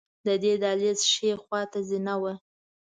د دې دهلېز ښې خواته زینه وه.